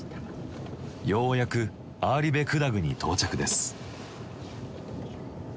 ようやくアーリベクダグに到着です。